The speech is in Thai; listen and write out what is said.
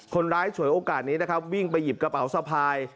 คนร้ายฉวยโอกาสนี้วิ่งไปหยิบกระเป๋าสะพาย